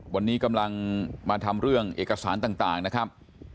วันนี้กำลังมาทำเรื่องเอกสารต่างนะครับ